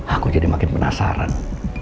aku jadi makin penasaran